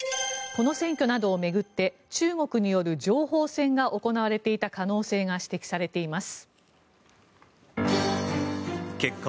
この選挙などを巡って中国による情報戦が行われていた可能性が指摘されています。